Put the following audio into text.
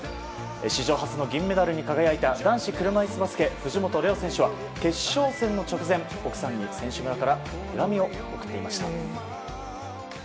史上初の銀メダルに輝いた男子車いすバスケ藤本怜央選手は決勝戦の直前奥さんに選手村から手紙を送っていました。